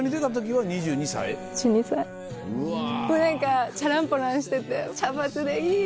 もう何かチャランポランしてて茶髪でイ！みたいな。